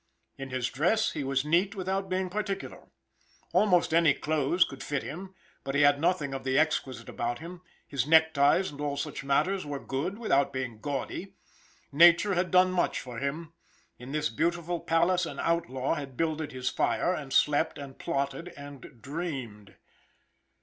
In his dress, he was neat without being particular. Almost any clothes could fit him; but he had nothing of the exquisite about him; his neckties and all such matters were good without being gaudy. Nature had done much for him. In this beautiful palace an outlaw had builded his fire, and slept, and plotted, and dreamed.